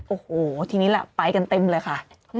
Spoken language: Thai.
โอ้โหทีนี้แหละไปกันเต็มเลยค่ะ